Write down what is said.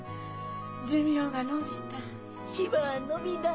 寿命が延びた。